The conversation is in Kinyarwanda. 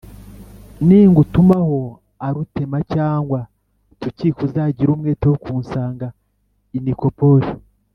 Ningutumaho Arutema cyangwa Tukiko uzagire umwete wo kunsanga i Nikopoli